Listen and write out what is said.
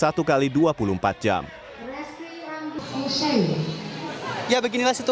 ya beginilah situasi saat anak harap